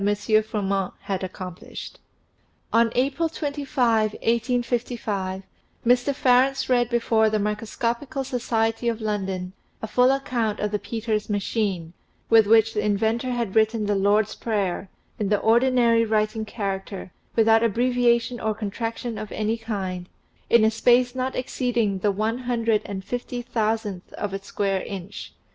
Froment had accomplished. On April 25, 1855, Mr. Farrants read before the Microsco pical Society'of London a full account of the Peters machine, with which the inventor had written the Lord's Prayer (in the ordinary writing character, without abbreviation or contraction of any kind), in a space not exceeding the one hundred and fifty thousandth of a square inch.